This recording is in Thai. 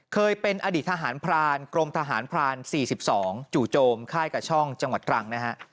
เคยเป็นอดีตทหารพรานกรมทหารพราน๔๒จู่โจมค่ายกับช่องจังหวัดตรังนะฮะ